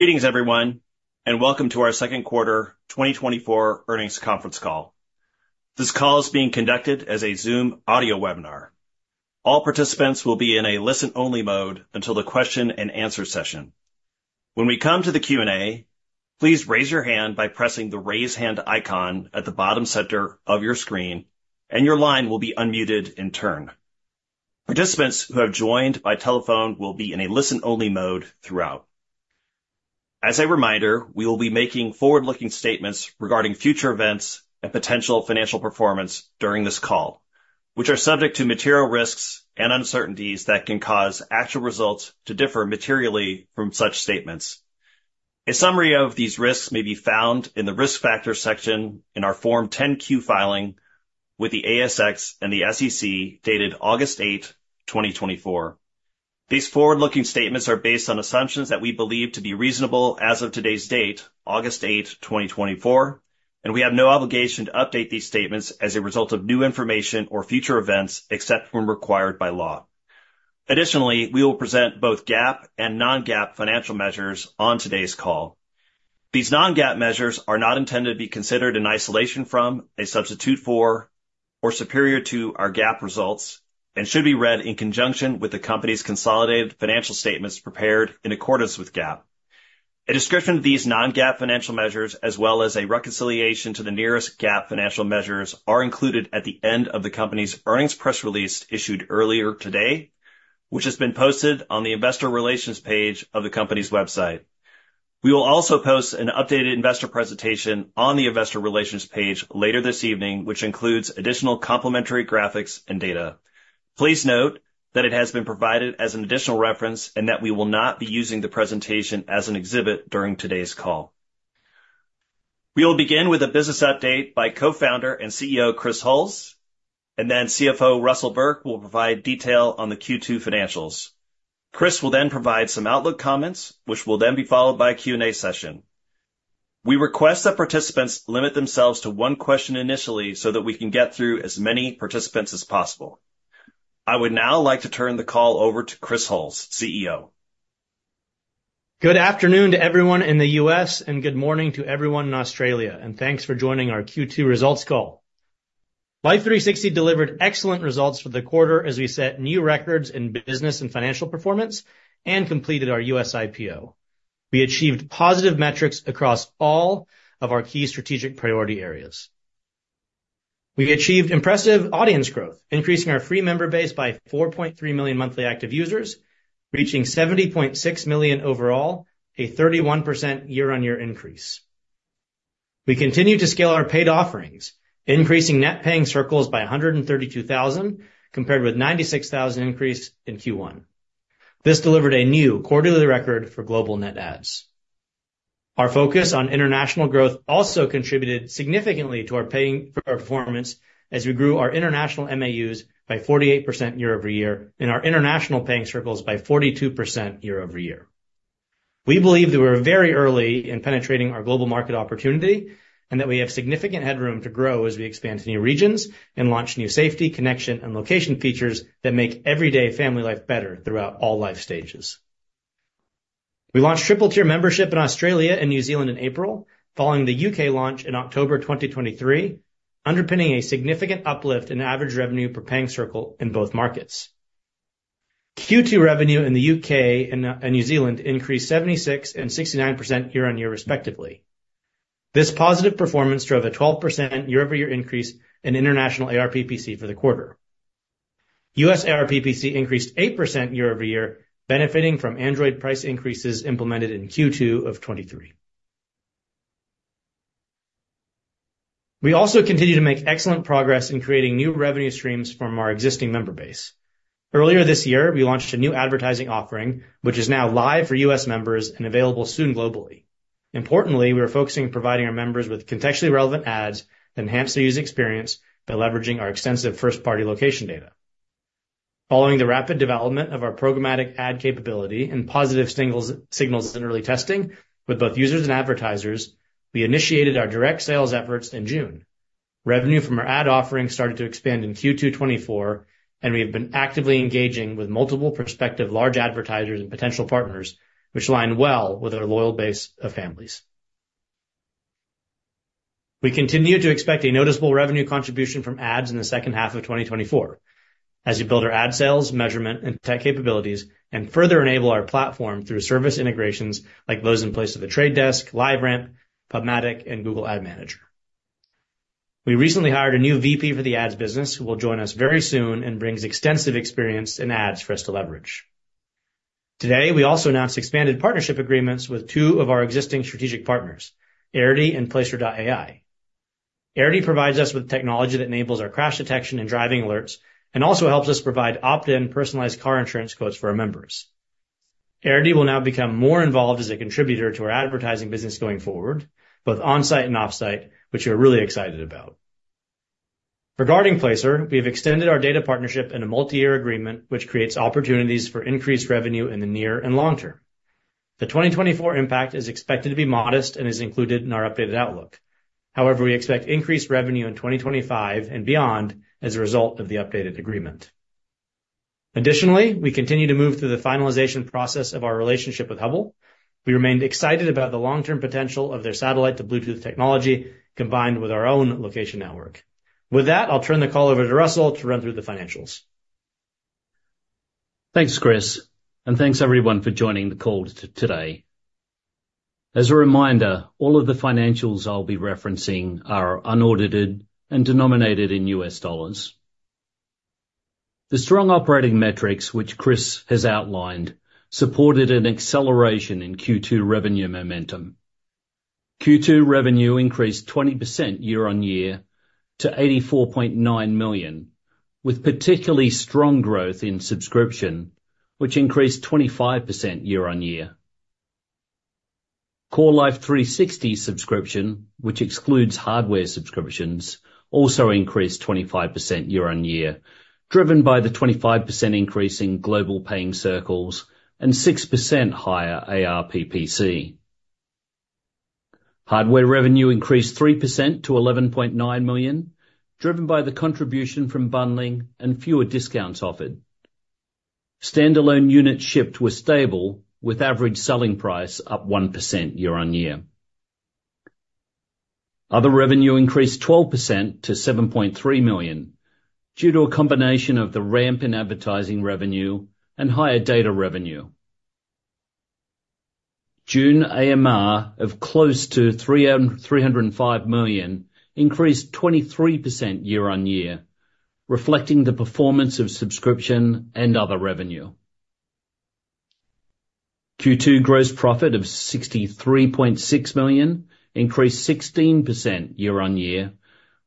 Greetings, everyone, and welcome to our second quarter 2024 earnings conference call. This call is being conducted as a Zoom audio webinar. All participants will be in a listen-only mode until the question and answer session. When we come to the Q&A, please raise your hand by pressing the raise hand icon at the bottom center of your screen, and your line will be unmuted in turn. Participants who have joined by telephone will be in a listen-only mode throughout. As a reminder, we will be making forward-looking statements regarding future events and potential financial performance during this call, which are subject to material risks and uncertainties that can cause actual results to differ materially from such statements. A summary of these risks may be found in the Risk Factors section in our Form 10-Q filing with the ASX and the SEC, dated August 8th, 2024. These forward-looking statements are based on assumptions that we believe to be reasonable as of today's date, August 8th, 2024, and we have no obligation to update these statements as a result of new information or future events, except when required by law. Additionally, we will present both GAAP and non-GAAP financial measures on today's call. These non-GAAP measures are not intended to be considered in isolation from, a substitute for, or superior to our GAAP results, and should be read in conjunction with the company's consolidated financial statements prepared in accordance with GAAP. A description of these non-GAAP financial measures, as well as a reconciliation to the nearest GAAP financial measures, are included at the end of the company's earnings press release issued earlier today, which has been posted on the investor relations page of the company's website. We will also post an updated investor presentation on the investor relations page later this evening, which includes additional complementary graphics and data. Please note that it has been provided as an additional reference, and that we will not be using the presentation as an exhibit during today's call. We will begin with a business update by co-founder and CEO, Chris Hulls, and then CFO Russell Burke will provide detail on the Q2 financials. Chris will then provide some outlook comments, which will then be followed by a Q&A session. We request that participants limit themselves to one question initially, so that we can get through as many participants as possible. I would now like to turn the call over to Chris Hulls, CEO. Good afternoon to everyone in the U.S., and good morning to everyone in Australia, and thanks for joining our Q2 results call. Life360 delivered excellent results for the quarter as we set new records in business and financial performance and completed our U.S. IPO. We achieved positive metrics across all of our key strategic priority areas. We achieved impressive audience growth, increasing our free member base by 4.3 million monthly active users, reaching 70.6 million overall, a 31% year-on-year increase. We continued to scale our paid offerings, increasing net paying circles by 132,000, compared with 96,000 increase in Q1. This delivered a new quarterly record for global net adds. Our focus on international growth also contributed significantly to our paying circle performance, as we grew our international MAUs by 48% year-over-year, and our international paying circles by 42% year-over-year. We believe that we're very early in penetrating our global market opportunity, and that we have significant headroom to grow as we expand to new regions and launch new safety, connection, and location features that make everyday family life better throughout all life stages. We launched triple-tier membership in Australia and New Zealand in April, following the U.K. launch in October 2023, underpinning a significant uplift in average revenue per paying circle in both markets. Q2 revenue in the U.K. and New Zealand increased 76% and 69% year-over-year, respectively. This positive performance drove a 12% year-over-year increase in international ARPPC for the quarter. U.S. ARPPC increased 8% year-over-year, benefiting from Android price increases implemented in Q2 of 2023. We also continue to make excellent progress in creating new revenue streams from our existing member base. Earlier this year, we launched a new advertising offering, which is now live for U.S. members and available soon globally. Importantly, we are focusing on providing our members with contextually relevant ads that enhance the user experience by leveraging our extensive first-party location data. Following the rapid development of our programmatic ad capability and positive signals in early testing with both users and advertisers, we initiated our direct sales efforts in June. Revenue from our ad offering started to expand in Q2 2024, and we have been actively engaging with multiple prospective large advertisers and potential partners, which align well with our loyal base of families. We continue to expect a noticeable revenue contribution from ads in the second half of 2024 as we build our ad sales, measurement and tech capabilities, and further enable our platform through service integrations like those in place with The Trade Desk, LiveRamp, PubMatic, and Google Ad Manager. We recently hired a new VP for the ads business, who will join us very soon and brings extensive experience in ads for us to leverage. Today, we also announced expanded partnership agreements with two of our existing strategic partners, Arity and Placer.ai. Arity provides us with technology that enables our crash detection and driving alerts, and also helps us provide opt-in personalized car insurance quotes for our members. Arity will now become more involved as a contributor to our advertising business going forward, both on-site and offsite, which we're really excited about. Regarding Placer, we've extended our data partnership in a multi-year agreement, which creates opportunities for increased revenue in the near and long term. The 2024 impact is expected to be modest and is included in our updated outlook. However, we expect increased revenue in 2025 and beyond as a result of the updated agreement. Additionally, we continue to move through the finalization process of our relationship with Hubble. We remain excited about the long-term potential of their satellite-to-Bluetooth technology, combined with our own location network. With that, I'll turn the call over to Russell to run through the financials. Thanks, Chris, and thanks everyone for joining the call today. As a reminder, all of the financials I'll be referencing are unaudited and denominated in U.S. dollars. The strong operating metrics, which Chris has outlined, supported an acceleration in Q2 revenue momentum. Q2 revenue increased 20% year-on-year to $84.9 million, with particularly strong growth in subscription, which increased 25% year-on-year. Core Life360 subscription, which excludes hardware subscriptions, also increased 25% year-on-year, driven by the 25% increase in global paying circles and 6% higher ARPPC. Hardware revenue increased 3% to $11.9 million, driven by the contribution from bundling and fewer discounts offered. Standalone units shipped were stable, with average selling price up 1% year-on-year. Other revenue increased 12% to $7.3 million, due to a combination of the ramp in advertising revenue and higher data revenue. June AMR of close to $305 million increased 23% year-on-year, reflecting the performance of subscription and other revenue. Q2 gross profit of $63.6 million increased 16% year-on-year,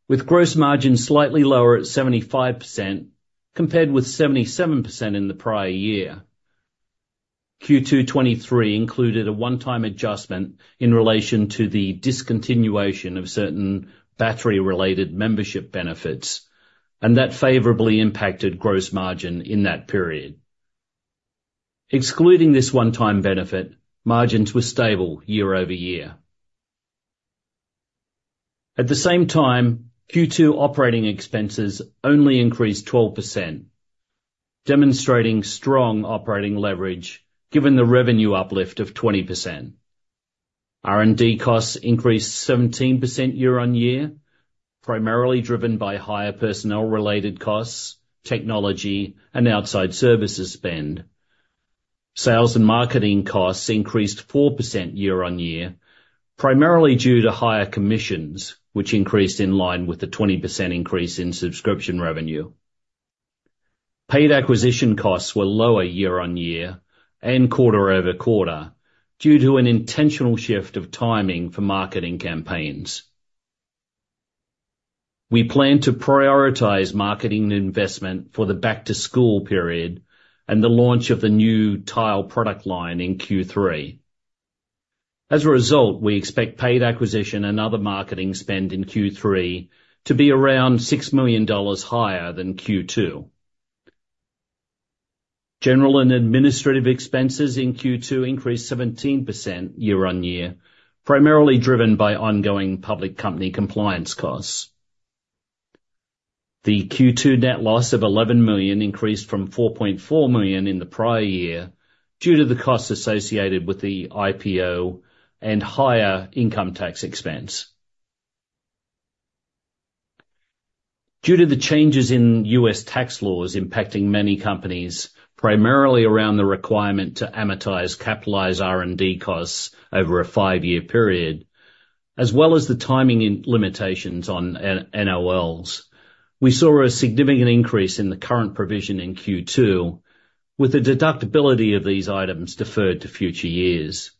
with gross margin slightly lower at 75%, compared with 77% in the prior year. Q2 2023 included a one-time adjustment in relation to the discontinuation of certain battery-related membership benefits, and that favorably impacted gross margin in that period. Excluding this one-time benefit, margins were stable year-over-year. At the same time, Q2 operating expenses only increased 12%, demonstrating strong operating leverage given the revenue uplift of 20%. R&D costs increased 17% year-on-year, primarily driven by higher personnel-related costs, technology, and outside services spend. Sales and marketing costs increased 4% year-on-year, primarily due to higher commissions, which increased in line with the 20% increase in subscription revenue. Paid acquisition costs were lower year-on-year and quarter-over-quarter due to an intentional shift of timing for marketing campaigns. We plan to prioritize marketing investment for the back-to-school period and the launch of the new Tile product line in Q3. As a result, we expect paid acquisition and other marketing spend in Q3 to be around $6 million higher than Q2. General and administrative expenses in Q2 increased 17% year-on-year, primarily driven by ongoing public company compliance costs. The Q2 net loss of $11 million increased from $4.4 million in the prior year, due to the costs associated with the IPO and higher income tax expense. Due to the changes in U.S. tax laws impacting many companies, primarily around the requirement to amortize capitalized R&D costs over a five-year period, as well as the timing and limitations on NOLs, we saw a significant increase in the current provision in Q2, with the deductibility of these items deferred to future years.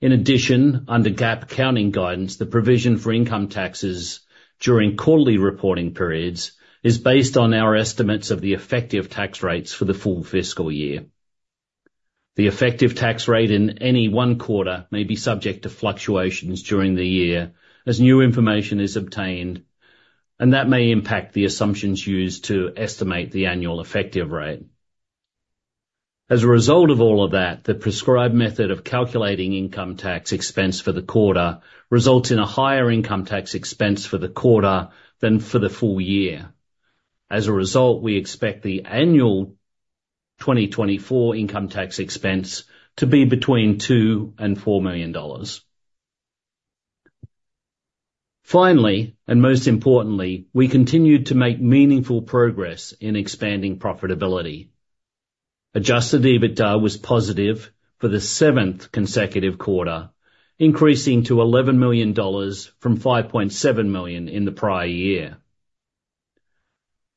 In addition, under GAAP accounting guidance, the provision for income taxes during quarterly reporting periods is based on our estimates of the effective tax rates for the full fiscal year. The effective tax rate in any one quarter may be subject to fluctuations during the year as new information is obtained, and that may impact the assumptions used to estimate the annual effective rate. As a result of all of that, the prescribed method of calculating income tax expense for the quarter results in a higher income tax expense for the quarter than for the full year. As a result, we expect the annual 2024 income tax expense to be between $2 million and $4 million. Finally, and most importantly, we continued to make meaningful progress in expanding profitability. Adjusted EBITDA was positive for the seventh consecutive quarter, increasing to $11 million from $5.7 million in the prior year.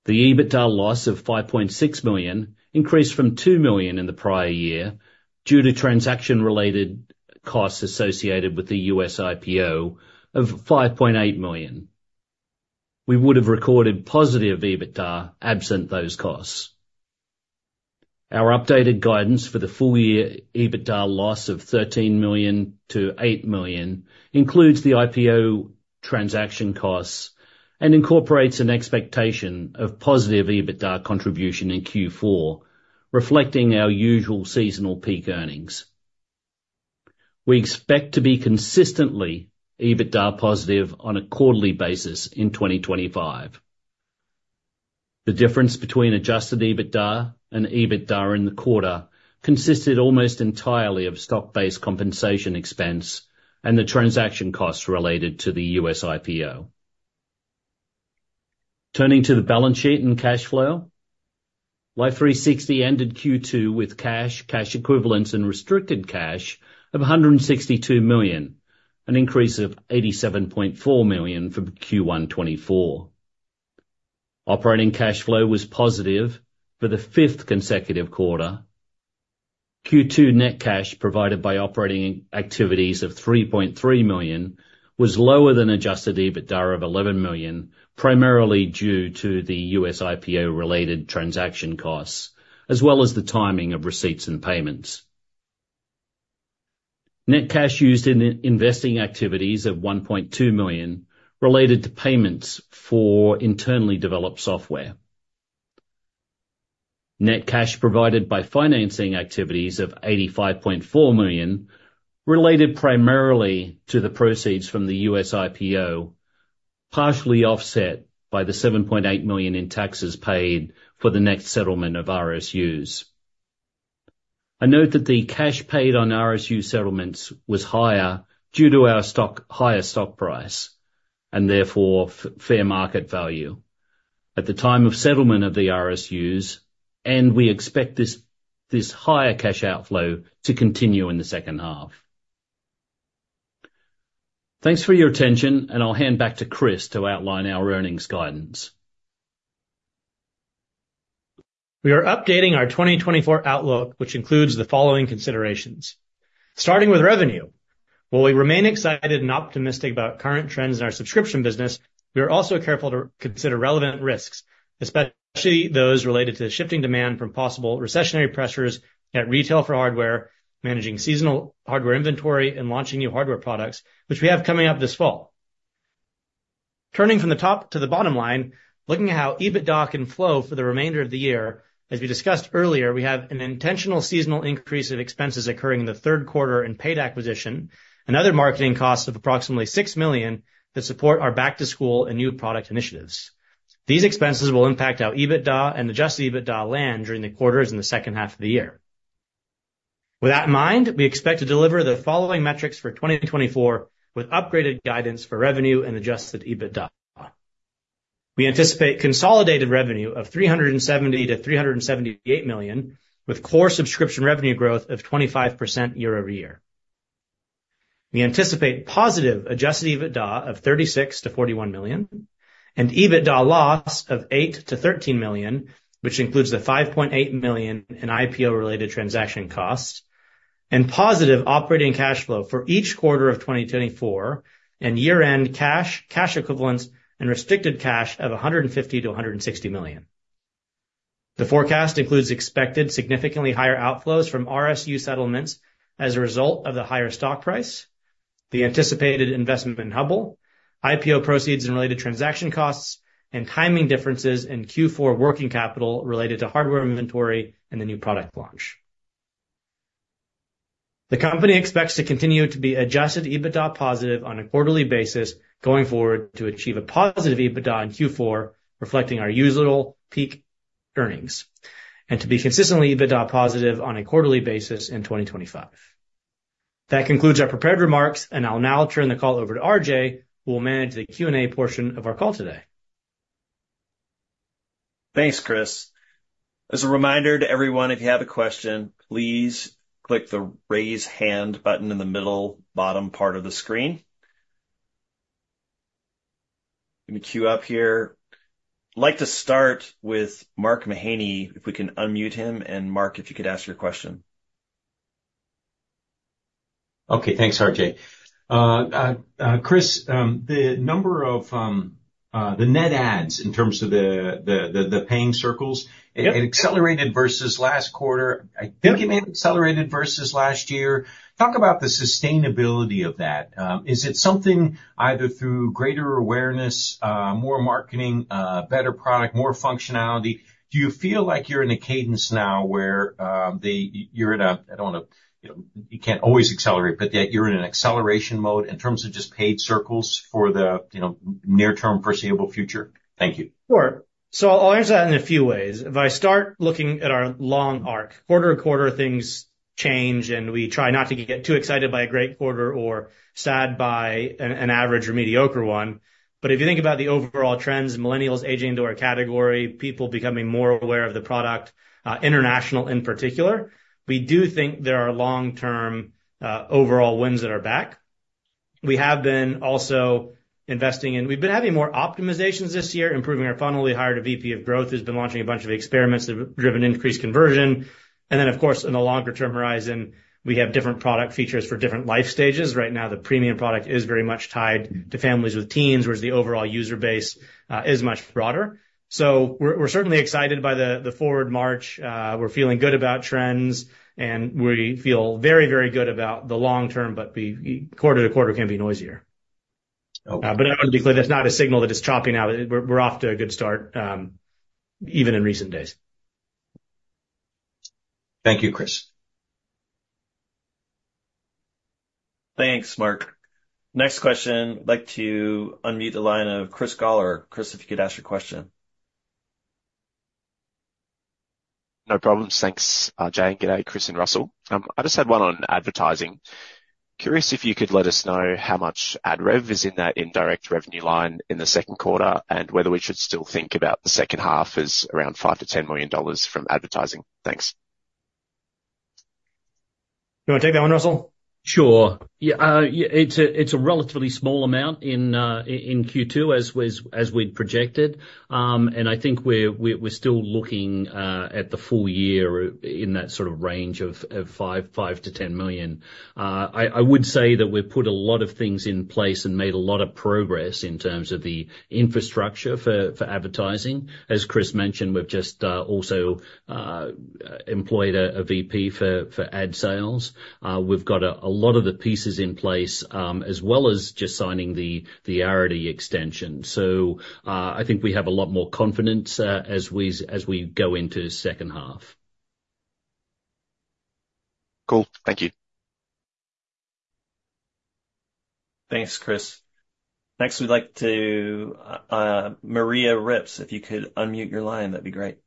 The EBITDA loss of $5.6 million increased from $2 million in the prior year due to transaction-related costs associated with the U.S. IPO of $5.8 million. We would have recorded positive EBITDA absent those costs. Our updated guidance for the full-year EBITDA loss of $13 million-$8 million includes the IPO transaction costs and incorporates an expectation of positive EBITDA contribution in Q4, reflecting our usual seasonal peak earnings. We expect to be consistently EBITDA positive on a quarterly basis in 2025. The difference between adjusted EBITDA and EBITDA in the quarter consisted almost entirely of stock-based compensation expense and the transaction costs related to the U.S. IPO. Turning to the balance sheet and cash flow, Life360 ended Q2 with cash, cash equivalents, and restricted cash of $162 million, an increase of $87.4 million from Q1 2024. Operating cash flow was positive for the fifth consecutive quarter. Q2 net cash provided by operating activities of $3.3 million was lower than adjusted EBITDA of $11 million, primarily due to the U.S. IPO-related transaction costs, as well as the timing of receipts and payments. Net cash used in investing activities of $1.2 million related to payments for internally developed software. Net cash provided by financing activities of $85.4 million, related primarily to the proceeds from the U.S. IPO, partially offset by the $7.8 million in taxes paid for the net settlement of RSUs. I note that the cash paid on RSU settlements was higher due to our stock higher stock price, and therefore fair market value at the time of settlement of the RSUs, and we expect this higher cash outflow to continue in the second half. Thanks for your attention, and I'll hand back to Chris to outline our earnings guidance. We are updating our 2024 outlook, which includes the following considerations. Starting with revenue, while we remain excited and optimistic about current trends in our subscription business, we are also careful to consider relevant risks, especially those related to the shifting demand from possible recessionary pressures at retail for hardware, managing seasonal hardware inventory, and launching new hardware products, which we have coming up this fall. Turning from the top to the bottom line, looking at how EBITDA can flow for the remainder of the year, as we discussed earlier, we have an intentional seasonal increase of expenses occurring in the third quarter in paid acquisition and other marketing costs of approximately $6 million that support our back-to-school and new product initiatives. These expenses will impact how EBITDA and Adjusted EBITDA land during the quarters in the second half of the year. With that in mind, we expect to deliver the following metrics for 2024, with upgraded guidance for revenue and adjusted EBITDA. We anticipate consolidated revenue of $370 million to $378 million, with core subscription revenue growth of 25% year-over-year. We anticipate positive adjusted EBITDA of $36 million to $41 million, and EBITDA loss of $8 million to $13 million, which includes the $5.8 million in IPO-related transaction costs, and positive operating cash flow for each quarter of 2024, and year-end cash, cash equivalents, and restricted cash of $150 million to $160 million. The forecast includes expected significantly higher outflows from RSU settlements as a result of the higher stock price, the anticipated investment in Hubble, IPO proceeds and related transaction costs, and timing differences in Q4 working capital related to hardware inventory and the new product launch. The company expects to continue to be Adjusted EBITDA positive on a quarterly basis, going forward, to achieve a positive EBITDA in Q4, reflecting our usual peak earnings, and to be consistently EBITDA positive on a quarterly basis in 2025. That concludes our prepared remarks, and I'll now turn the call over to RJ, who will manage the Q&A portion of our call today. Thanks, Chris. As a reminder to everyone, if you have a question, please click the Raise Hand button in the middle bottom part of the screen. Let me cue up here. I'd like to start with Mark Mahaney, if we can unmute him, and Mark, if you could ask your question. Okay, thanks, RJ. Chris, the number of the net adds in terms of the paying circles- Yep. It accelerated versus last quarter. I think it may have accelerated versus last year. Talk about the sustainability of that. Is it something either through greater awareness, more marketing, better product, more functionality? Do you feel like you're in a cadence now where you're in a, I don't wanna, you know, you can't always accelerate, but yet you're in an acceleration mode in terms of just paid circles for the, you know, near-term foreseeable future? Thank you. Sure. So I'll answer that in a few ways. If I start looking at our long arc, quarter to quarter, things change, and we try not to get too excited by a great quarter or sad by an average or mediocre one. But if you think about the overall trends, millennials aging into our category, people becoming more aware of the product, international in particular, we do think there are long-term, overall winds at our back. We have been also investing in... We've been having more optimizations this year, improving our funnel. We hired a VP of growth, who's been launching a bunch of experiments that have driven increased conversion. And then, of course, in the longer term horizon, we have different product features for different life stages. Right now, the premium product is very much tied to families with teens, whereas the overall user base is much broader. So we're certainly excited by the forward march. We're feeling good about trends, and we feel very, very good about the long term, but the quarter to quarter can be noisier. Okay. But I want to be clear, that's not a signal that it's chopping out. We're off to a good start, even in recent days. Thank you, Chris. Thanks, Mark. Next question, I'd like to unmute the line of Chris Gawler. Chris, if you could ask your question. No problems. Thanks, RJ. Good day, Chris and Russell. I just had one on advertising. Curious if you could let us know how much ad rev is in that indirect revenue line in the second quarter, and whether we should still think about the second half as around $5 million to $10 million from advertising. Thanks. You want to take that one, Russell? Sure. Yeah, it's a relatively small amount in Q2, as we'd projected. And I think we're still looking at the full year in that sort of range of $5 million to $10 million. I would say that we've put a lot of things in place and made a lot of progress in terms of the infrastructure for advertising. As Chris mentioned, we've just also employed a VP for ad sales. We've got a lot of the pieces in place, as well as just signing the Arity extension. So, I think we have a lot more confidence as we go into second half. Cool. Thank you. Thanks, Chris. Next, we'd like to... Maria Ripps, if you could unmute your line, that'd be great.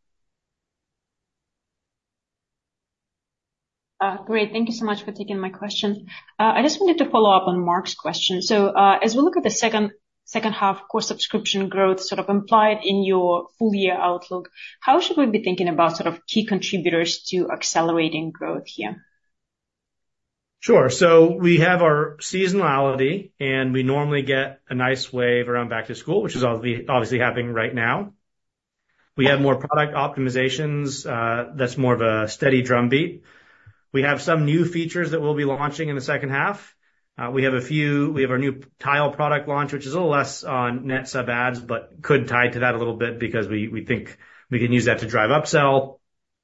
Great. Thank you so much for taking my question. I just wanted to follow up on Mark's question. So, as we look at the second half core subscription growth, sort of implied in your full year outlook, how should we be thinking about sort of key contributors to accelerating growth here? Sure. So we have our seasonality, and we normally get a nice wave around back to school, which is obviously, obviously happening right now. We have more product optimizations, that's more of a steady drumbeat. We have some new features that we'll be launching in the second half. We have our new Tile product launch, which is a little less on net sub adds, but could tie to that a little bit because we, we think we can use that to drive upsell.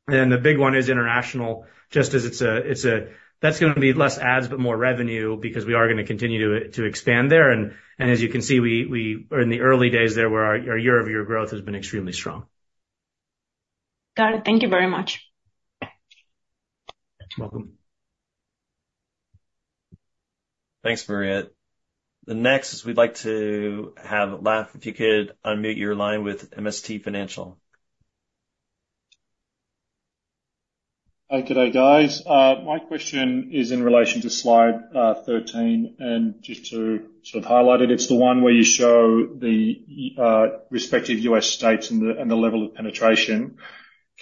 And the big one is international, just as it's a, that's gonna be less adds, but more revenue, because we are gonna continue to, to expand there, and, and as you can see, we, we are in the early days there, where our, our year-over-year growth has been extremely strong. Got it. Thank you very much. You're welcome. Thanks, Maria. The next is we'd like to have Laf, if you could unmute your line with MST Financial. Good day, guys. My question is in relation to Slide 13, and just to sort of highlight it, it's the one where you show the respective U.S. states and the level of penetration.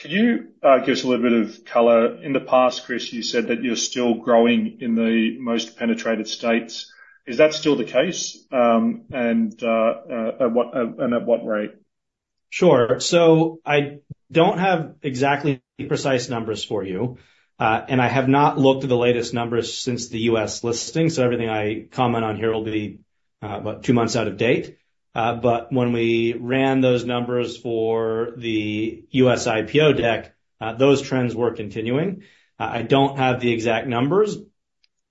Can you give us a little bit of color? In the past, Chris, you said that you're still growing in the most penetrated states. Is that still the case? And at what rate? Sure. So I don't have exactly the precise numbers for you, and I have not looked at the latest numbers since the U.S. listing, so everything I comment on here will be about two months out of date. But when we ran those numbers for the U.S. IPO deck, those trends were continuing. I don't have the exact numbers,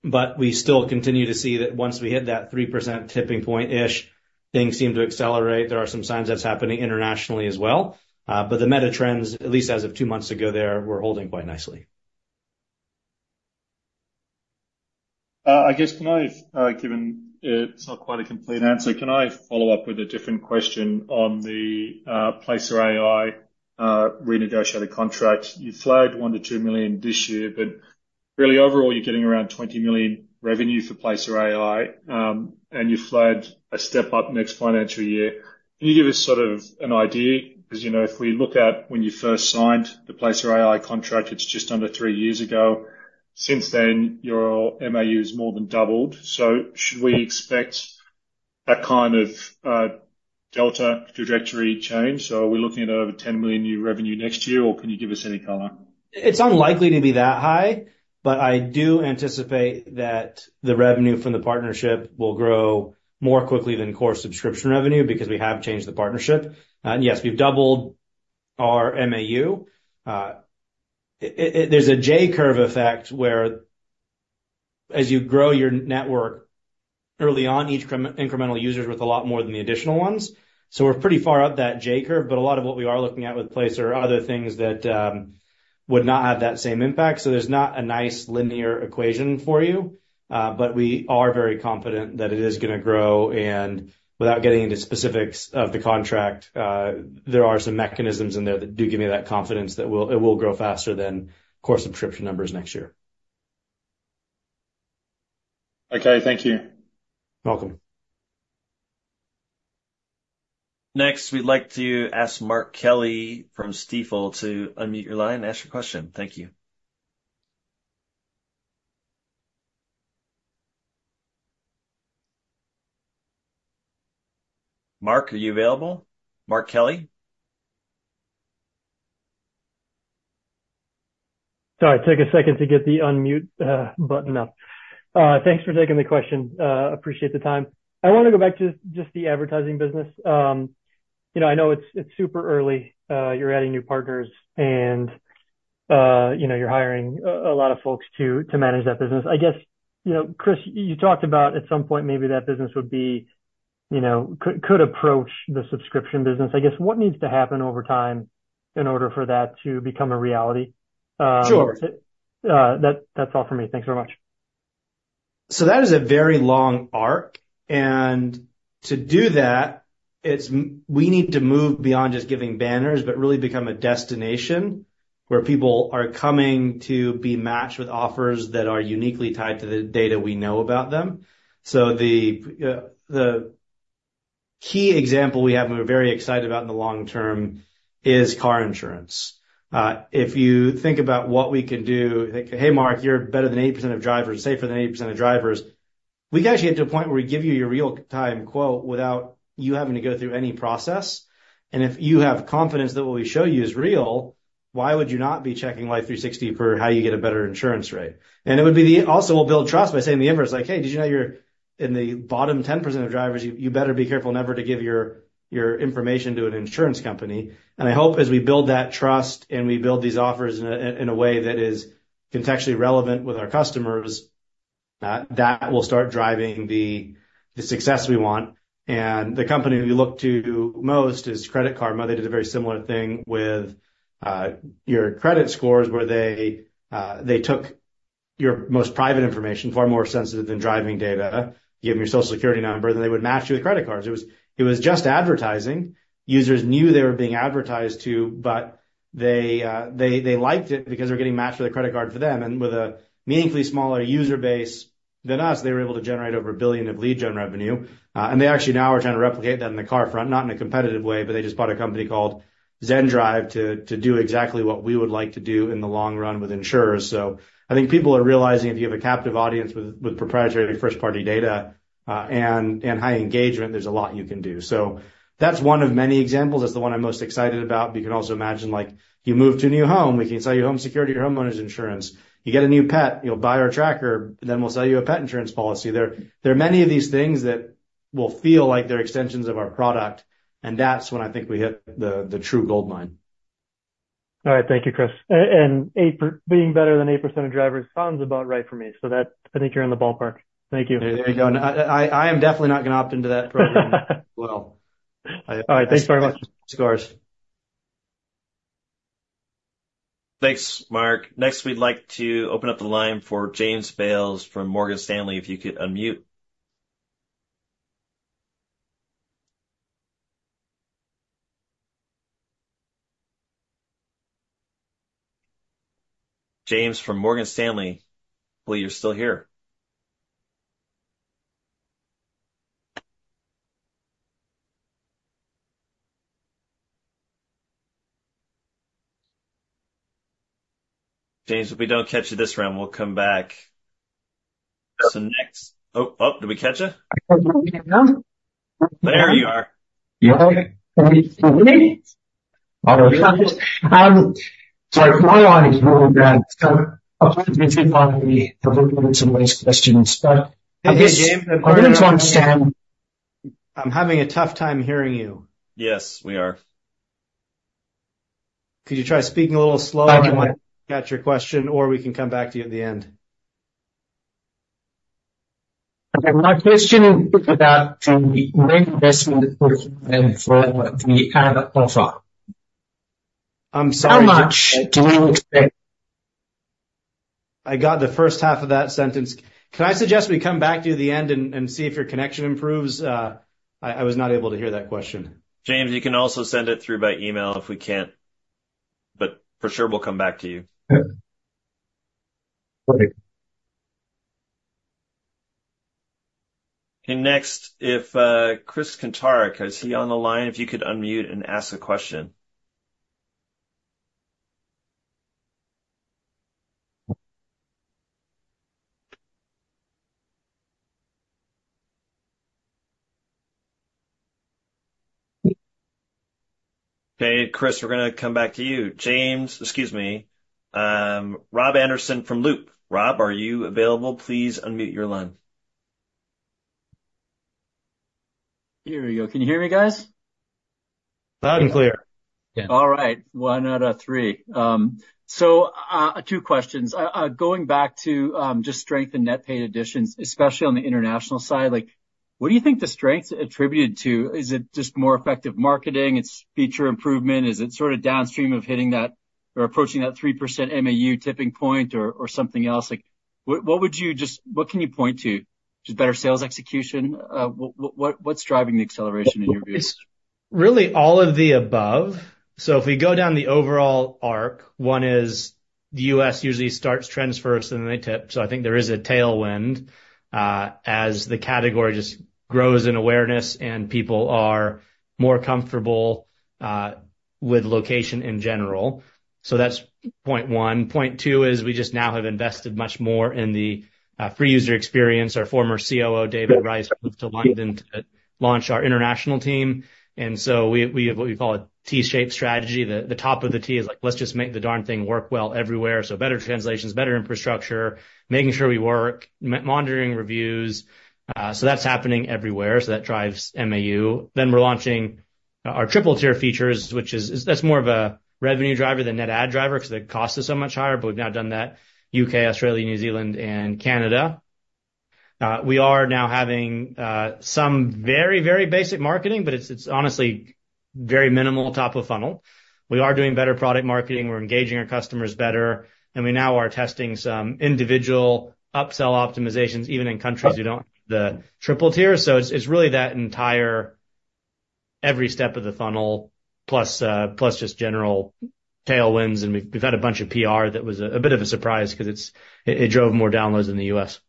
but we still continue to see that once we hit that 3% tipping point-ish, things seem to accelerate. There are some signs that's happening internationally as well. But the meta trends, at least as of two months ago, there, were holding quite nicely. I guess, can I, given it's not quite a complete answer, can I follow up with a different question on the Placer.ai renegotiated contract? You flagged $1 to $2 million this year, but really overall, you're getting around $20 million revenue for Placer.ai, and you flagged a step up next financial year. Can you give us sort of an idea? Because, you know, if we look at when you first signed the Placer.ai contract, it's just under three years ago. Since then, your MAU has more than doubled. So should we expect that kind of delta trajectory change? So are we looking at over $10 million new revenue next year, or can you give us any color? It's unlikely to be that high, but I do anticipate that the revenue from the partnership will grow more quickly than core subscription revenue, because we have changed the partnership. And yes, we've doubled our MAU. There's a J-curve effect, where as you grow your network early on, each incremental users worth a lot more than the additional ones. So we're pretty far up that J curve, but a lot of what we are looking at with Placer are other things that would not have that same impact. So there's not a nice linear equation for you, but we are very confident that it is gonna grow, and without getting into specifics of the contract, there are some mechanisms in there that do give me that confidence that it will grow faster than core subscription numbers next year. Okay, thank you. Welcome. Next, we'd like to ask Mark Kelley from Stifel to unmute your line and ask your question. Thank you. Mark, are you available? Mark Kelley? Sorry, it took a second to get the unmute button up. Thanks for taking the question, appreciate the time. I want to go back to just the advertising business. You know, I know it's, it's super early, you're adding new partners, and... You know, you're hiring a lot of folks to manage that business. I guess, you know, Chris, you talked about at some point maybe that business would be, you know, could approach the subscription business. I guess, what needs to happen over time in order for that to become a reality? Sure. That, that's all for me. Thanks very much. So that is a very long arc, and to do that, we need to move beyond just giving banners, but really become a destination, where people are coming to be matched with offers that are uniquely tied to the data we know about them. So the key example we have, and we're very excited about in the long term, is car insurance. If you think about what we can do, like, "Hey, Mark, you're better than 80% of drivers, safer than 80% of drivers," we can actually get to a point where we give you your real-time quote without you having to go through any process. And if you have confidence that what we show you is real, why would you not be checking Life360 for how you get a better insurance rate? And it would be the... Also, we'll build trust by saying the inverse, like: "Hey, did you know you're in the bottom 10% of drivers? You, you better be careful never to give your, your information to an insurance company." And I hope as we build that trust and we build these offers in a, in a way that is contextually relevant with our customers, that will start driving the, the success we want. And the company we look to most is Credit Karma. They did a very similar thing with your credit scores, where they took your most private information, far more sensitive than driving data. You give them your Social Security number, then they would match you with credit cards. It was, it was just advertising. Users knew they were being advertised to, but they, they liked it because they were getting matched with a credit card for them. And with a meaningfully smaller user base than us, they were able to generate over $1 billion of lead gen revenue. And they actually now are trying to replicate that in the car front, not in a competitive way, but they just bought a company called Zendrive to, to do exactly what we would like to do in the long run with insurers. So I think people are realizing if you have a captive audience with, with proprietary first-party data, and, and high engagement, there's a lot you can do. So that's one of many examples. That's the one I'm most excited about, but you can also imagine, like, you move to a new home, we can sell you home security or homeowners insurance. You get a new pet, you'll buy our tracker, and then we'll sell you a pet insurance policy. There are many of these things that will feel like they're extensions of our product, and that's when I think we hit the true goldmine. All right. Thank you, Chris. And 8% being better than 8% of drivers sounds about right for me, so that's. I think you're in the ballpark. Thank you. There you go. I am definitely not going to opt into that program. Well, I- All right. Thanks very much. Scores. Thanks, Mark. Next, we'd like to open up the line for James Bales from Morgan Stanley, if you could unmute. James from Morgan Stanley, well, you're still here? James, if we don't catch you this round, we'll come back. So next... Oh, oh, did we catch you? Yeah. There you are. You all right? Sorry, my line is really bad, so apparently some questions, but- Hey, James- I'm beginning to understand. I'm having a tough time hearing you. Yes, we are. Could you try speaking a little slower? I can. Got your question, or we can come back to you at the end. Okay, my question is about the big investment for the kind of offer. I'm sorry. How much do we expect? I got the first half of that sentence. Can I suggest we come back to you at the end and see if your connection improves? I was not able to hear that question. James, you can also send it through by email if we can't, but for sure, we'll come back to you. Yeah. Okay. And next, if Chris Kuntarich is on the line? If you could unmute and ask a question. Okay, Chris, we're gonna come back to you. James, excuse me, Rob Sanderson from Loop Capital. Rob, are you available? Please unmute your line. Here we go. Can you hear me, guys? Loud and clear. Yeah. All right, one out of three. So, two questions. Going back to, just strength and net paid additions, especially on the international side, like, what do you think the strengths attributed to? Is it just more effective marketing, it's feature improvement? Is it sort of downstream of hitting that or approaching that 3% MAU tipping point or, or something else? Like, what, what, what, what's driving the acceleration in your view? It's really all of the above. So if we go down the overall arc, one is the U.S. usually starts trends first, and then they tip. So I think there is a tailwind, as the category just grows in awareness and people are more comfortable with location in general. So that's point one. Point two is we just now have invested much more in the free user experience. Our former COO, David Rice, moved to London to launch our international team. And so we have what we call a T-shaped strategy. The top of the T is like, let's just make the darn thing work well everywhere. So better translations, better infrastructure, making sure we work, monitoring reviews. So that's happening everywhere, so that drives MAU. Then we're launching-... Our triple-tier features, which is—that's more of a revenue driver than net adds driver, because the cost is so much higher, but we've now done that U.K., Australia, New Zealand, and Canada. We are now having some very, very basic marketing, but it's honestly very minimal top of funnel. We are doing better product marketing. We're engaging our customers better, and we now are testing some individual upsell optimizations, even in countries who don't have the triple-tier. So it's really that entire every step of the funnel plus just general tailwinds, and we've had a bunch of PR that was a bit of a surprise because it drove more downloads in the U.S.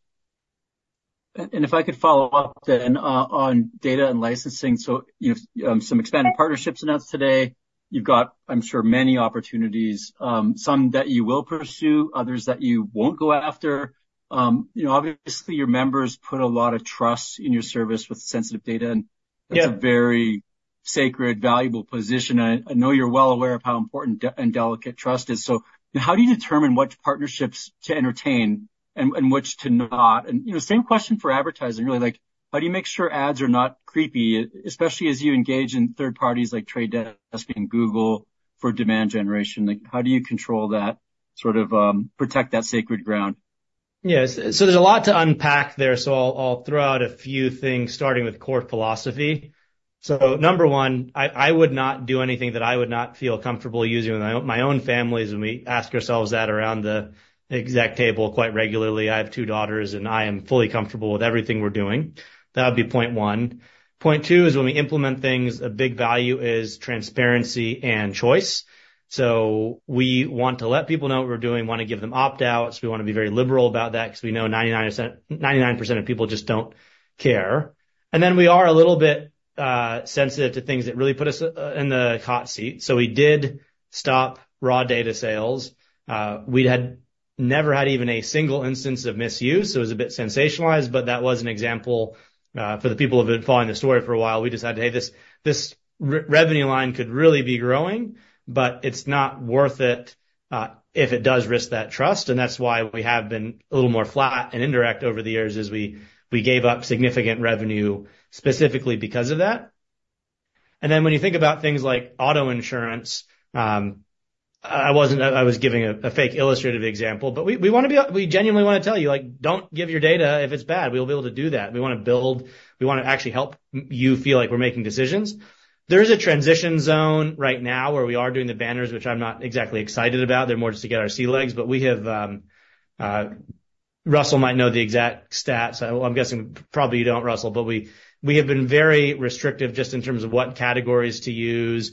If I could follow up then on data and licensing. So you've some expanded partnerships announced today. You've got, I'm sure, many opportunities, some that you will pursue, others that you won't go after. You know, obviously, your members put a lot of trust in your service with sensitive data, and- Yeah. That's a very sacred, valuabe position. I know you're well aware of how important and delicate trust is. So how do you determine which partnerships to entertain and which to not? And, you know, same question for advertising, really, like, how do you make sure ads are not creepy, especially as you engage in third parties like Trade Desk and Google for demand generation? Like, how do you control that, sort of, protect that sacred ground? Yes. So there's a lot to unpack there, so I'll throw out a few things, starting with core philosophy. So number one, I would not do anything that I would not feel comfortable using with my own, my own families, and we ask ourselves that around the exec table quite regularly. I have two daughters, and I am fully comfortable with everything we're doing. That would be point one. Point two is when we implement things, a big value is transparency and choice. So we want to let people know what we're doing, want to give them opt-outs. We want to be very liberal about that, because we know 99% of people just don't care. And then we are a little bit sensitive to things that really put us in the hot seat. So we did stop raw data sales. We'd never had even a single instance of misuse, so it was a bit sensationalized, but that was an example for the people who have been following the story for a while. We decided, Hey, this revenue line could really be growing, but it's not worth it if it does risk that trust, and that's why we have been a little more flat and indirect over the years, as we gave up significant revenue, specifically because of that. And then when you think about things like auto insurance, I was giving a fake illustrative example, but we wanna be... We genuinely wanna tell you, like, "Don't give your data if it's bad." We'll be able to do that. We wanna build, we wanna actually help you feel like we're making decisions. There is a transition zone right now, where we are doing the banners, which I'm not exactly excited about. They're more just to get our sea legs, but we have, Russell might know the exact stats. I'm guessing probably you don't, Russell, but we have been very restrictive just in terms of what categories to use.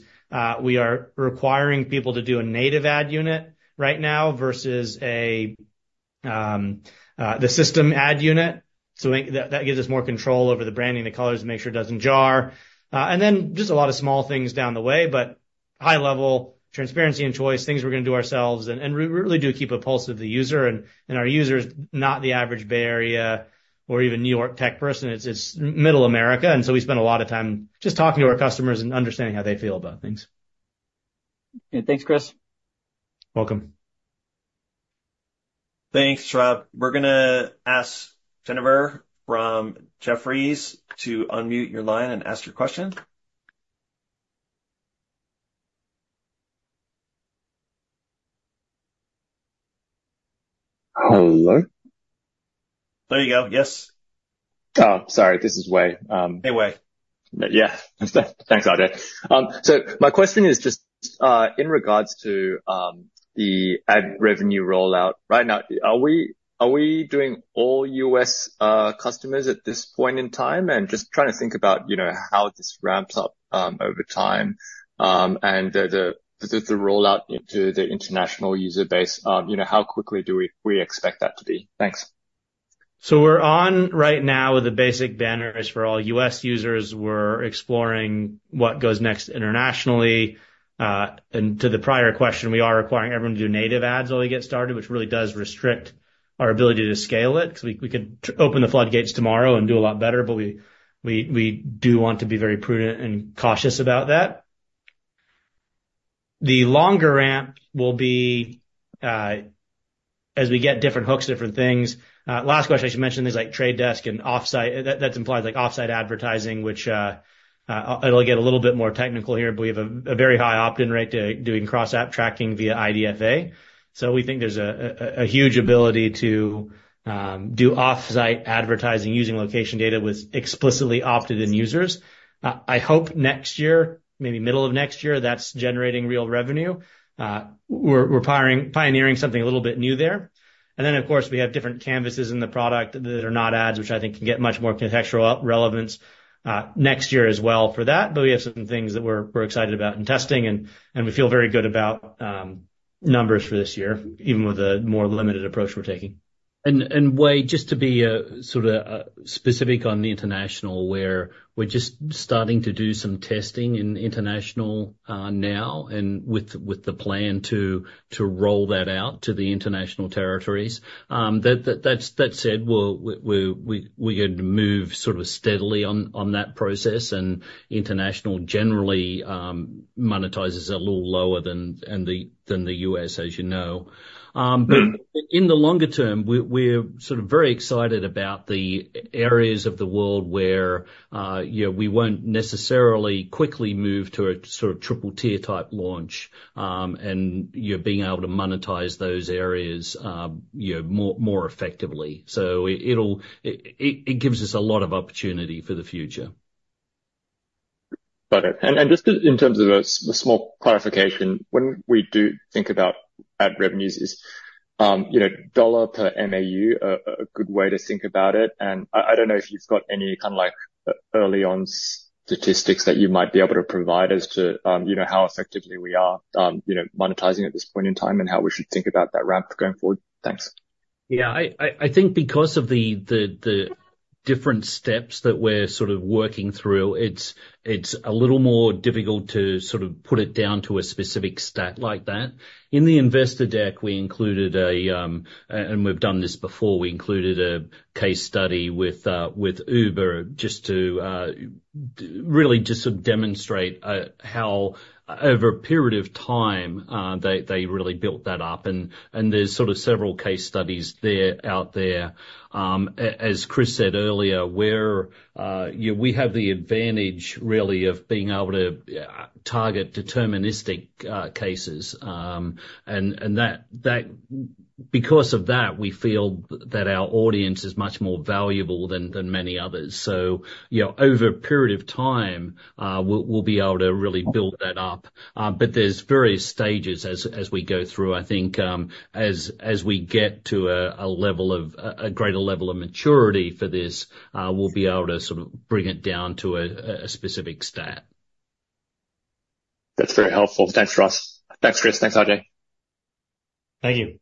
We are requiring people to do a native ad unit right now versus a the system ad unit. So that gives us more control over the branding, the colors, to make sure it doesn't jar. And then just a lot of small things down the way, but high level transparency and choice, things we're gonna do ourselves, and we really do keep a pulse of the user and our user is not the average Bay Area or even New York tech person. It's Middle America, and so we spend a lot of time just talking to our customers and understanding how they feel about things. Thanks, Chris. Welcome. Thanks, Rob. We're gonna ask Jennifer from Jefferies to unmute your line and ask your question. Hello? There you go. Yes. Oh, sorry, this is Wei. Hey, Wei. Yeah. Thanks, AJ. So my question is just in regards to the ad revenue rollout. Right now, are we doing all U.S. customers at this point in time? And just trying to think about, you know, how this ramps up over time. And the rollout into the international user base, you know, how quickly do we expect that to be? Thanks. So we're on right now with the basic banners for all U.S. users. We're exploring what goes next internationally. And to the prior question, we are requiring everyone to do native ads while we get started, which really does restrict our ability to scale it, because we could open the floodgates tomorrow and do a lot better, but we do want to be very prudent and cautious about that. The longer ramp will be, as we get different hooks, different things. Last question, I should mention, is like The Trade Desk and off-site. That implies like off-site advertising, which, it'll get a little bit more technical here. We have a very high opt-in rate to doing cross-app tracking via IDFA. So we think there's a huge ability to do off-site advertising using location data with explicitly opted-in users. I hope next year, maybe middle of next year, that's generating real revenue. We're pioneering something a little bit new there. And then, of course, we have different canvases in the product that are not ads, which I think can get much more contextual relevance, next year as well for that. But we have some things that we're excited about and testing, and we feel very good about numbers for this year, even with the more limited approach we're taking. And Wei, just to be sort of specific on the international, where we're just starting to do some testing in international now, and with the plan to roll that out to the international territories. That said, we're going to move sort of steadily on that process, and international generally monetizes a little lower than in the U.S., as you know. But in the longer term, we're sort of very excited about the areas of the world where, you know, we won't necessarily quickly move to a sort of triple-tier type launch, and you're being able to monetize those areas, you know, more effectively. So it'll give us a lot of opportunity for the future.... Got it. And just in terms of a small clarification, when we do think about ad revenues, is, you know, dollar per MAU a good way to think about it? And I don't know if you've got any kind of like early on statistics that you might be able to provide as to, you know, how effectively we are, you know, monetizing at this point in time, and how we should think about that ramp going forward? Thanks. Yeah, I think because of the different steps that we're sort of working through, it's a little more difficult to sort of put it down to a specific stat like that. In the investor deck, we included and we've done this before, we included a case study with Uber, just to really just to demonstrate how over a period of time they really built that up. And there's sort of several case studies there, out there. As Chris said earlier, we're you know we have the advantage really of being able to target deterministic cases. And that because of that, we feel that our audience is much more valuable than many others. So, you know, over a period of time, we'll, we'll be able to really build that up, but there's various stages as, as we go through. I think, as, as we get to a, a level of, a greater level of maturity for this, we'll be able to sort of bring it down to a, a specific stat. That's very helpful. Thanks, Russ. Thanks, Chris. Thanks, RJ. Thank you.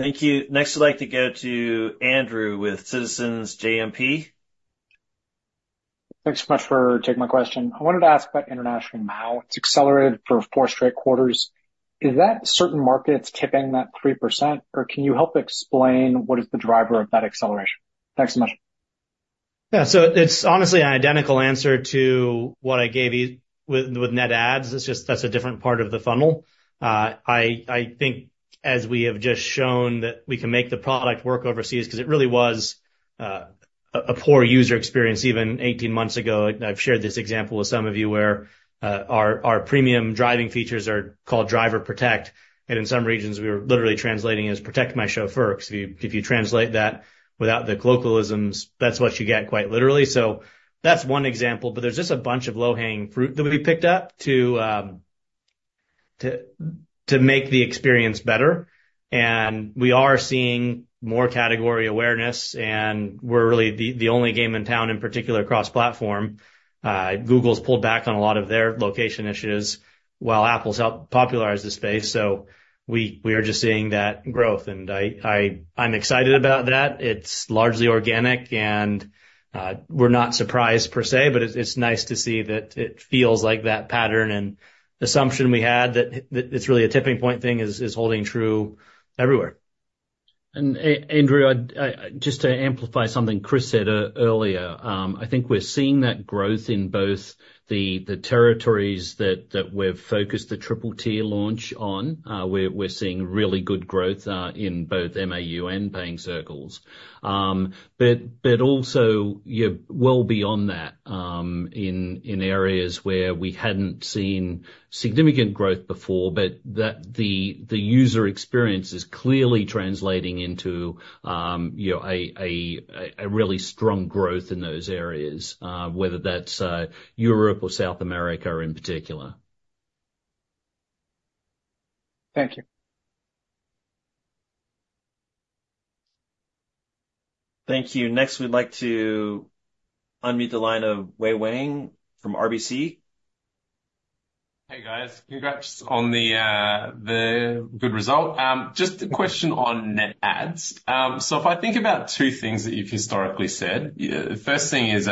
Thank you. Next, I'd like to go to Andrew with Citizens JMP. Thanks so much for taking my question. I wanted to ask about international MAU. It's accelerated for four straight quarters. Is that certain markets tipping that 3%, or can you help explain what is the driver of that acceleration? Thanks so much. Yeah, so it's honestly an identical answer to what I gave you with Net Adds. It's just that's a different part of the funnel. I think as we have just shown that we can make the product work overseas, 'cause it really was a poor user experience even 18 months ago. I've shared this example with some of you, where our premium driving features are called Driver Protect, and in some regions, we were literally translating as "Protect My Chauffeur," 'cause if you translate that without the localisms, that's what you get, quite literally. So that's one example, but there's just a bunch of low-hanging fruit that we picked up to make the experience better. And we are seeing more category awareness, and we're really the only game in town, in particular, cross-platform. Google's pulled back on a lot of their location issues, while Apple's helped popularize the space, so we are just seeing that growth. And I'm excited about that. It's largely organic, and we're not surprised per se, but it's nice to see that it feels like that pattern and assumption we had, that it's really a tipping point thing, is holding true everywhere. Andrew, I just to amplify something Chris said earlier, I think we're seeing that growth in both the territories that we've focused the triple-tier launch on. We're seeing really good growth in both MAU and paying circles. But also, yeah, well beyond that, in areas where we hadn't seen significant growth before, but that the user experience is clearly translating into, you know, a really strong growth in those areas, whether that's Europe or South America in particular. Thank you. Thank you. Next, we'd like to unmute the line of Wei-Weng Chen from RBC. Hey, guys. Congrats on the good result. Just a question on net adds. So if I think about two things that you've historically said, the first thing is,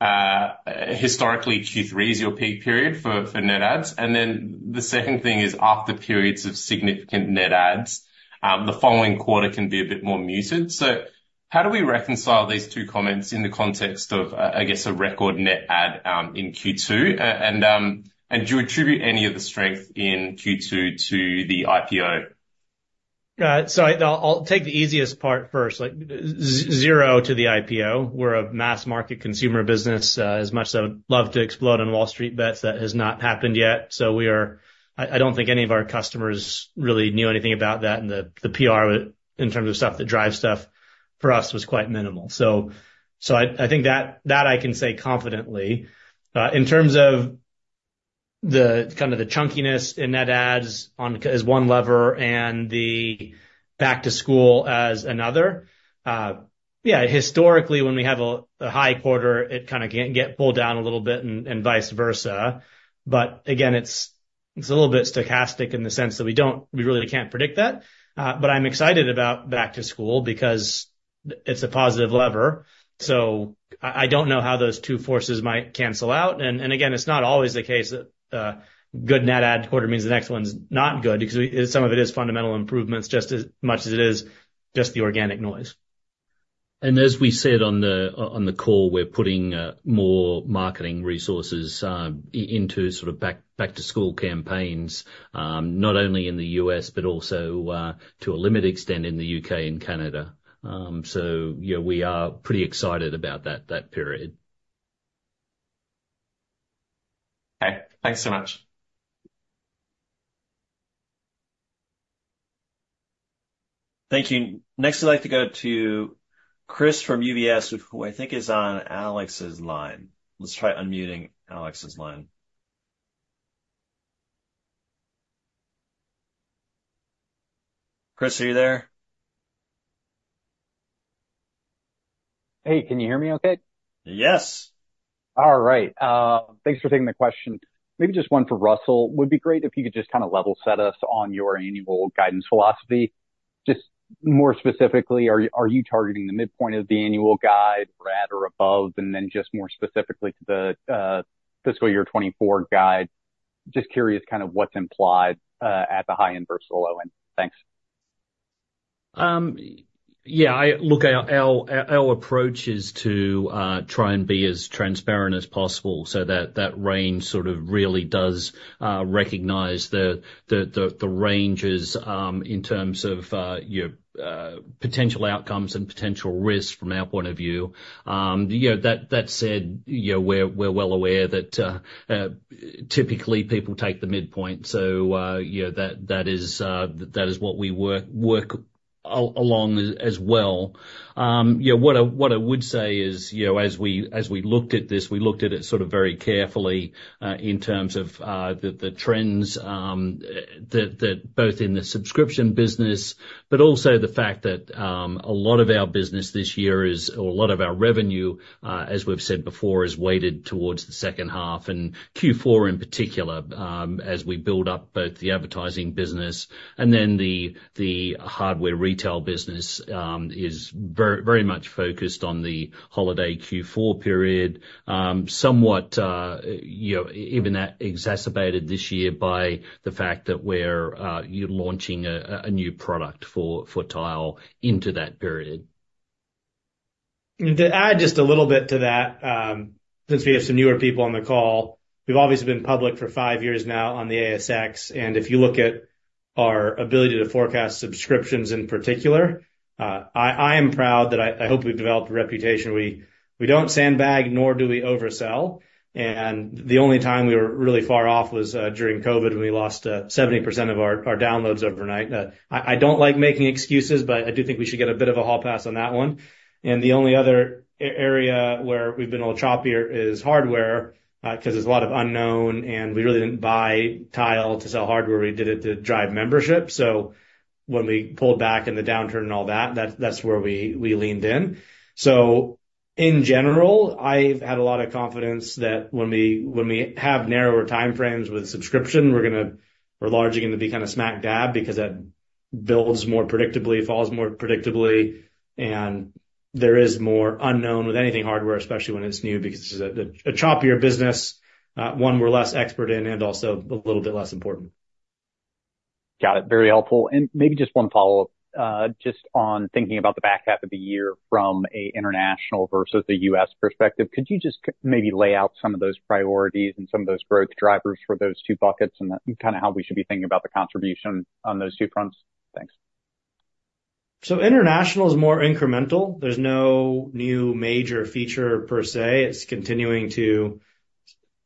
historically, Q3 is your peak period for net adds. And then the second thing is, after periods of significant net adds, the following quarter can be a bit more muted. So how do we reconcile these two comments in the context of, I guess, a record net add in Q2? And do you attribute any of the strength in Q2 to the IPO? So I'll take the easiest part first. Like, zero to the IPO. We're a mass-market consumer business. As much as I would love to explode on Wall Street Bets, that has not happened yet. So we are... I don't think any of our customers really knew anything about that, and the PR, in terms of stuff that drives stuff for us, was quite minimal. So I think that I can say confidently. In terms of the kind of the chunkiness in net adds on, as one lever and the back to school as another, yeah, historically, when we have a high quarter, it kind of can get pulled down a little bit and vice versa. But again, it's a little bit stochastic in the sense that we don't-- we really can't predict that. But I'm excited about back to school, because it's a positive lever. So I don't know how those two forces might cancel out, and again, it's not always the case that good net add quarter means the next one's not good, because some of it is fundamental improvements, just as much as it is just the organic noise. As we said on the call, we're putting more marketing resources into sort of back to school campaigns, not only in the U.S., but also to a limited extent, in the U.K. and Canada. So, you know, we are pretty excited about that period. Okay, thanks so much.... Thank you. Next, I'd like to go to Chris from UBS, who I think is on Alex's line. Let's try unmuting Alex's line. Chris, are you there? Hey, can you hear me okay? Yes. All right. Thanks for taking the question. Maybe just one for Russell. Would be great if you could just kind of level set us on your annual guidance philosophy. Just more specifically, are you targeting the midpoint of the annual guide or at or above? And then just more specifically to the fiscal year 2024 guide, just curious kind of what's implied at the high end versus the low end. Thanks. Yeah, look, our approach is to try and be as transparent as possible so that range sort of really does recognize the ranges in terms of your potential outcomes and potential risks from our point of view. You know, that said, you know, we're well aware that typically people take the midpoint. So, you know, that is what we work along as well. Yeah, what I would say is, you know, as we looked at this, we looked at it sort of very carefully, in terms of, the trends, both in the subscription business, but also the fact that, a lot of our business this year is, or a lot of our revenue, as we've said before, is weighted towards the second half, and Q4 in particular, as we build up both the advertising business and then the hardware retail business, is very much focused on the holiday Q4 period. Somewhat, you know, even exacerbated this year by the fact that we're, you're launching a new product for Tile into that period. To add just a little bit to that, since we have some newer people on the call, we've obviously been public for five years now on the ASX, and if you look at our ability to forecast subscriptions in particular, I am proud that I hope we've developed a reputation. We don't sandbag, nor do we oversell, and the only time we were really far off was during COVID, when we lost 70% of our downloads overnight. I don't like making excuses, but I do think we should get a bit of a hall pass on that one. The only other area where we've been a little choppier is hardware, 'cause there's a lot of unknown, and we really didn't buy Tile to sell hardware. We did it to drive membership. So when we pulled back in the downturn and all that, that's where we leaned in. So in general, I've had a lot of confidence that when we have narrower time frames with subscription, we're gonna, we're largely going to be kind of smack dab, because that builds more predictably, falls more predictably, and there is more unknown with anything hardware, especially when it's new, because this is a choppier business, one we're less expert in and also a little bit less important. Got it. Very helpful. And maybe just one follow-up, just on thinking about the back half of the year from an international versus a U.S. perspective. Could you just maybe lay out some of those priorities and some of those growth drivers for those two buckets and kind of how we should be thinking about the contribution on those two fronts? Thanks. So international is more incremental. There's no new major feature per se. It's continuing to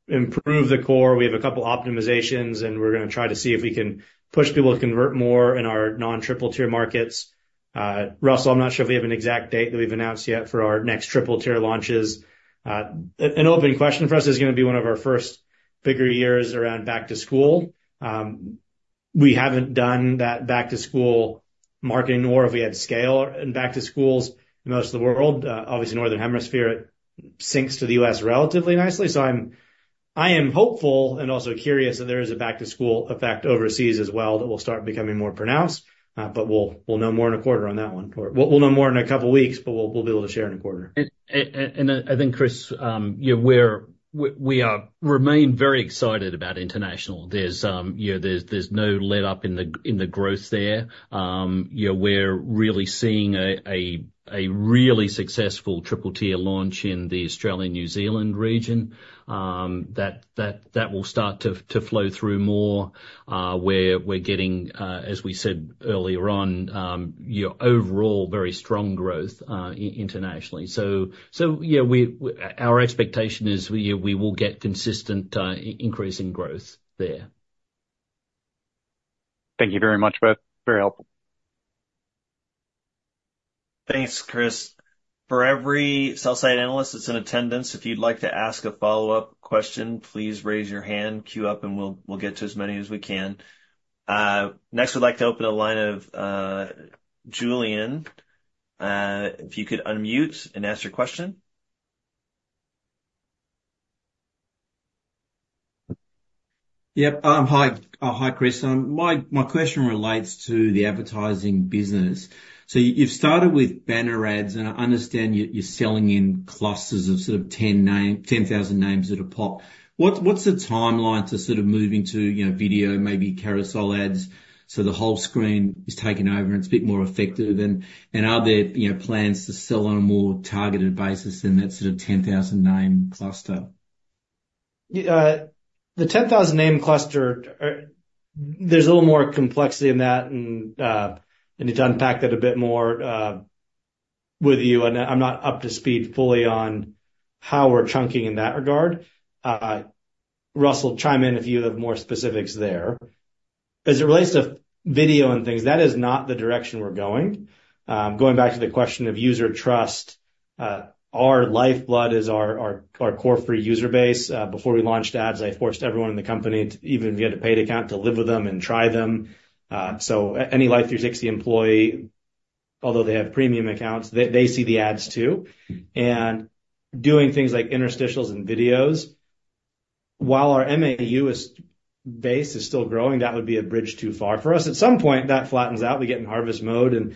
improve the core. We have a couple optimizations, and we're going to try to see if we can push people to convert more in our non-triple tier markets. Russell, I'm not sure if we have an exact date that we've announced yet for our next triple tier launches. An open question for us, it's going to be one of our first bigger years around back to school. We haven't done that back to school marketing, nor have we had scale in back to schools in most of the world. Obviously, Northern Hemisphere, it syncs to the U.S. relatively nicely. I am hopeful and also curious that there is a back to school effect overseas as well that will start becoming more pronounced, but we'll, we'll know more in a quarter on that one. We'll know more in a couple of weeks, but we'll, we'll be able to share in a quarter. I think, Chris, you know, we remain very excited about international. There's, you know, there's no letup in the growth there. You know, we're really seeing a really successful triple-tier launch in the Australia, New Zealand region, that will start to flow through more, where we're getting, as we said earlier on, you know, overall, very strong growth, internationally. So, yeah, our expectation is we will get consistent increase in growth there. Thank you very much, both. Very helpful. Thanks, Chris. For every sell-side analyst that's in attendance, if you'd like to ask a follow-up question, please raise your hand, queue up, and we'll get to as many as we can. Next, we'd like to open a line of, Julian, if you could unmute and ask your question. Yep. Hi. Hi, Chris. My question relates to the advertising business. So you've started with banner ads, and I understand you're selling in clusters of sort of 10,000 names at a pop. What's the timeline to sort of move into, you know, video, maybe carousel ads, so the whole screen is taken over, and it's a bit more effective? And are there, you know, plans to sell on a more targeted basis than that sort of 10,000 name cluster? The 10,000 name cluster, there's a little more complexity in that, and, and to unpack that a bit more with you, and I'm not up to speed fully on how we're chunking in that regard. Russell, chime in if you have more specifics there. As it relates to video and things, that is not the direction we're going. Going back to the question of user trust, our lifeblood is our, our, our core free user base. Before we launched ads, I forced everyone in the company to even if you had a paid account, to live with them and try them. So any Life360 employee, although they have premium accounts, they, they see the ads, too. And doing things like interstitials and videos, while our MAU base is still growing, that would be a bridge too far for us. At some point, that flattens out, we get in harvest mode, and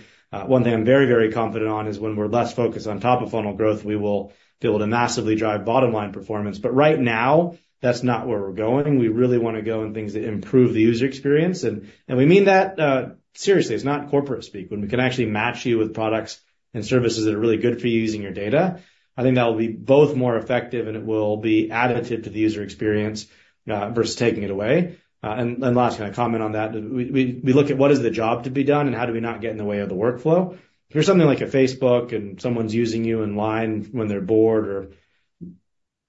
one thing I'm very, very confident on is when we're less focused on top-of-funnel growth, we will be able to massively drive bottom-line performance. But right now, that's not where we're going. We really want to go on things that improve the user experience. And, and we mean that seriously, it's not corporate speak. When we can actually match you with products and services that are really good for you using your data, I think that will be both more effective, and it will be additive to the user experience versus taking it away. And, and last, can I comment on that? We look at what is the job to be done, and how do we not get in the way of the workflow. If you're something like a Facebook and someone's using you in line when they're bored or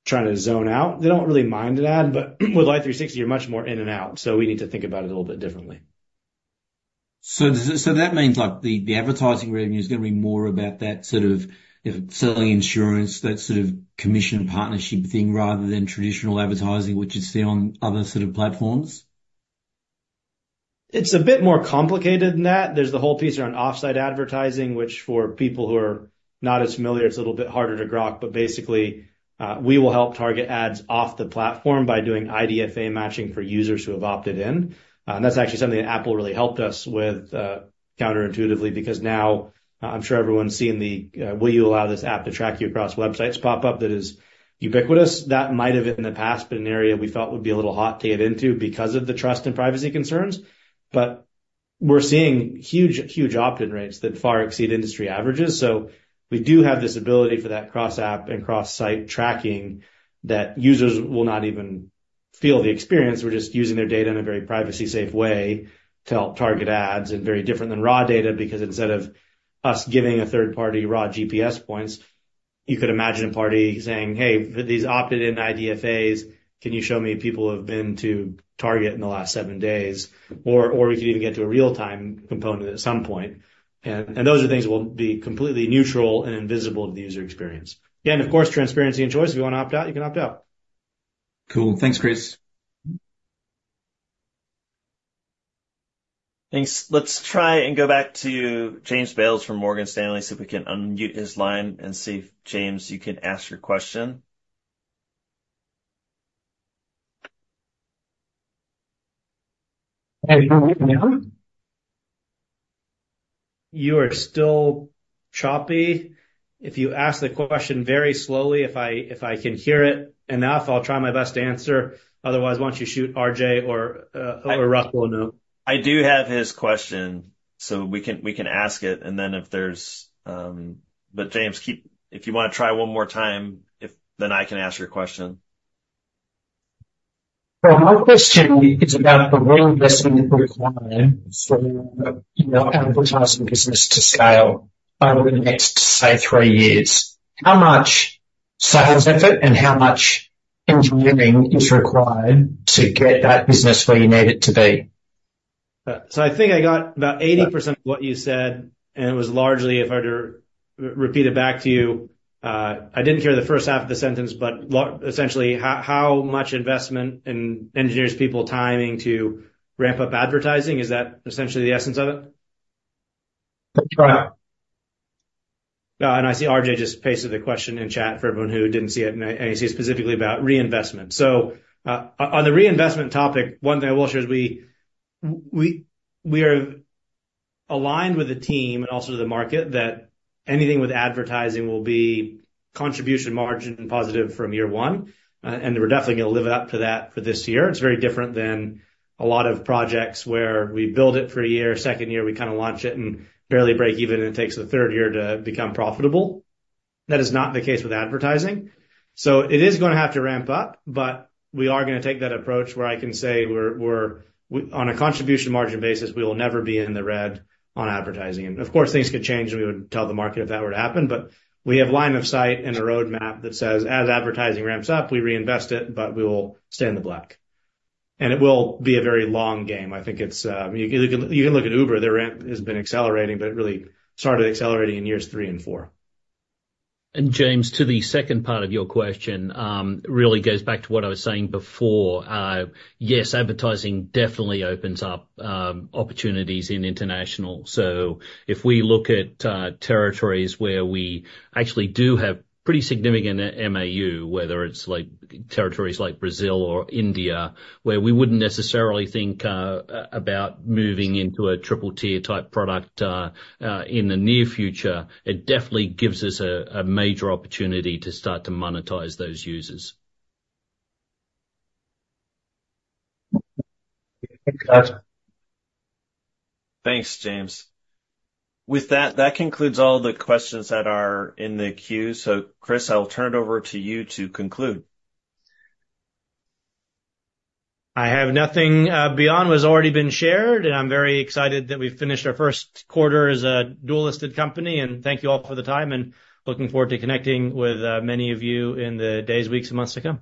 trying to zone out, they don't really mind an ad, but with Life360, you're much more in and out, so we need to think about it a little bit differently. So that means, like, the advertising revenue is going to be more about that sort of selling insurance, that sort of commission partnership thing, rather than traditional advertising, which you'd see on other sort of platforms? It's a bit more complicated than that. There's the whole piece around off-site advertising, which for people who are not as familiar, it's a little bit harder to grok. But basically, we will help target ads off the platform by doing IDFA matching for users who have opted in. And that's actually something that Apple really helped us with, counterintuitively, because now I'm sure everyone's seeing the, will you allow this app to track you across websites pop-up that is ubiquitous. That might have in the past been an area we thought would be a little hot to get into because of the trust and privacy concerns. But we're seeing huge, huge opt-in rates that far exceed industry averages. So we do have this ability for that cross-app and cross-site tracking that users will not even feel the experience. We're just using their data in a very privacy-safe way to help target ads. And very different than raw data, because instead of us giving a third party raw GPS points, you could imagine a party saying, "Hey, these opted-in IDFAs, can you show me people who have been to Target in the last seven days?" Or, or we could even get to a real-time component at some point. And, and those are things that will be completely neutral and invisible to the user experience. Again, of course, transparency and choice. If you want to opt out, you can opt out. Cool. Thanks, Chris. Thanks. Let's try and go back to James Bales from Morgan Stanley, see if we can unmute his line and see if, James, you can ask your question. You are still choppy. If you ask the question very slowly, if I can hear it enough, I'll try my best to answer. Otherwise, why don't you shoot RJ or, or Russell a note? I do have his question, so we can, we can ask it, and then if there's. But James, keep if you want to try one more time, if then I can ask your question. Well, my question is about the reinvestment required for, you know, advertising business to scale over the next, say, three years. How much sales effort and how much engineering is required to get that business where you need it to be? So I think I got about 80% of what you said, and it was largely, if I were to repeat it back to you, I didn't hear the first half of the sentence, but essentially, how much investment in engineers, people, timing to ramp up advertising? Is that essentially the essence of it? That's right. I see RJ just pasted the question in chat for everyone who didn't see it, and I see it's specifically about reinvestment. So, on the reinvestment topic, one thing I will share is we are aligned with the team and also to the market, that anything with advertising will be contribution margin positive from year one, and we're definitely going to live up to that for this year. It's very different than a lot of projects where we build it for a year. Second year, we kind of launch it and barely break even, and it takes the third year to become profitable. That is not the case with advertising. So it is going to have to ramp up, but we are going to take that approach where I can say we're on a contribution margin basis, we will never be in the red on advertising. And of course, things could change, and we would tell the market if that were to happen. But we have line of sight and a roadmap that says as advertising ramps up, we reinvest it, but we will stay in the black. And it will be a very long game. I think it's you can look at Uber. Their ramp has been accelerating, but it really started accelerating in years three and four. And James, to the second part of your question, really goes back to what I was saying before. Yes, advertising definitely opens up opportunities in international. So if we look at territories where we actually do have pretty significant MAU, whether it's like territories like Brazil or India, where we wouldn't necessarily think about moving into a triple tier type product in the near future, it definitely gives us a major opportunity to start to monetize those users. Thanks, guys. Thanks, James. With that, that concludes all the questions that are in the queue. So Chris, I'll turn it over to you to conclude. I have nothing, beyond what's already been shared, and I'm very excited that we've finished our first quarter as a dual-listed company. Thank you all for the time, and looking forward to connecting with, many of you in the days, weeks, and months to come.